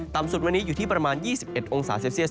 สุดวันนี้อยู่ที่ประมาณ๒๑องศาเซลเซียส